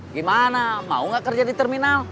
gimana mau gak kerja di terminal